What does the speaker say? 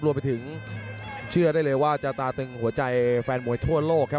รวมไปถึงเชื่อได้เลยว่าจะตาตึงหัวใจแฟนมวยทั่วโลกครับ